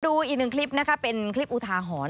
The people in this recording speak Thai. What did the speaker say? ดูอีกหนึ่งคลิปนะคะเป็นคลิปอุทาหรณ์